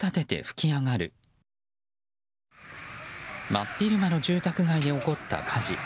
真昼間の住宅街で起こった火事。